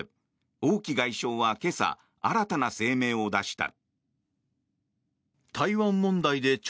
王毅外相は今朝、新たな声明を出した。